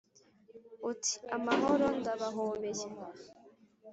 Uti amahoro ndabahobeye